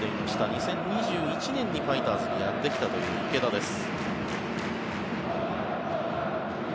２０２１年にファイターズにやってきたという池田です。